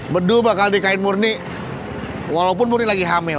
bedu bakal dikain murni walaupun murni lagi hamil